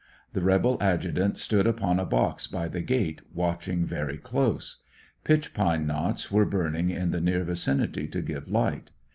The rebel adjutant stood upon a box by the gate, watching very close Pitch pine knots were burning in the near vicinity to give light.